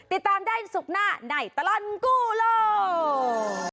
ติดตามได้ศุกร์หน้าในตลอดกู้โลก